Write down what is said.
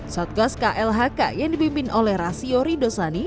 satgas klhk yang dibimbing oleh rasyori dosani